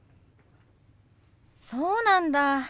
そうなんだ。